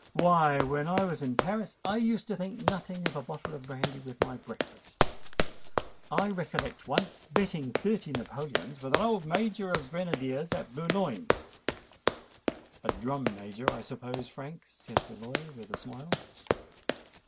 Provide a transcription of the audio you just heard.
Why, when I was in Paris I used to think nothing of a bottle of brandy with my breakfast. I recollect once betting thirty napoleons with an old Major of grenadiers at Boulogne——" "A drum major, I suppose, Frank," said the lawyer with a smile.